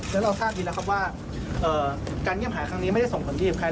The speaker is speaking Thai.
แล้วเราทราบดีแล้วครับว่าการเงียบหายครั้งนี้ไม่ได้ส่งผลดีกับใคร